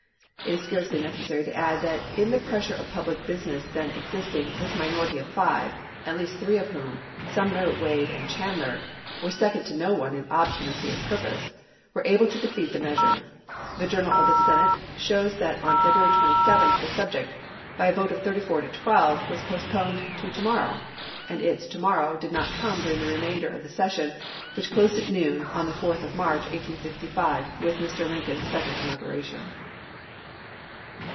It is scarcely necessary to add p. wk that in the pressure of public business then exist ing this minority of five, at least three of whom — Sumner, Wade, and Chandler — were second to no 456 ABRAHAM LINCOLN chap. xix. one in obstinacy of purpose, were able to defeat the measure. The journal of the Senate shows that on 1865. February 27 the subject, by a vote of 34 to 12, was postponed " to to morrow "; and its " to morrow " did not come during the remainder of the session, which closed at noon on the 4th of March, 1865, with Mr. Lincoln's second inaugu ration.